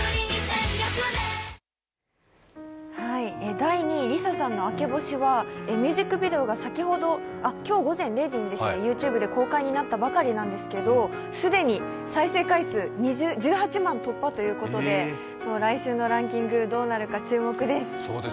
第２位、ＬｉＳＡさんの「明け星」はミュージックビデオが今日午前０時にＹｏｕＴｕｂｅで公開になったばかりなんですけど既に再生回数１８万突破ということで、来週のランキングどうなるか注目です。